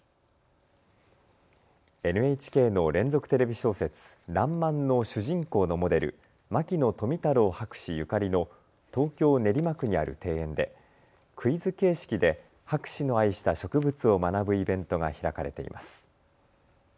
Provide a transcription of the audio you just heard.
ＮＨＫの連続テレビ小説、らんまんの主人公のモデル牧野富太郎博士ゆかりの東京練馬区にある庭園でクイズ形式で博士の愛した植物を学ぶイベントが開かれています。